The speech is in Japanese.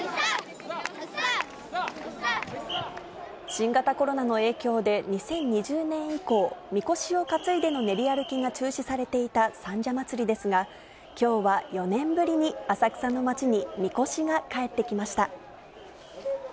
新型コロナの影響で、２０２０年以降、みこしを担いでの練り歩きが中止されていた三社祭ですが、きょうは４年ぶりに浅草の町にみこしが帰ってきました。